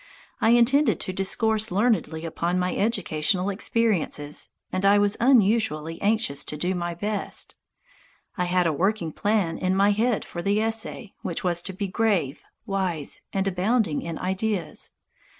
I intended to discourse learnedly upon my educational experiences, and I was unusually anxious to do my best. I had a working plan in my head for the essay, which was to be grave, wise, and abounding in ideas.